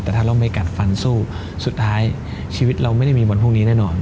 แต่ถ้าเราไม่กัดฟันสู้สุดท้ายชีวิตเราไม่ได้มีวันพรุ่งนี้แน่นอน